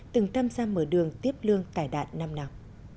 từng tăm ra mở đường tiếp lương tải đạn năm nào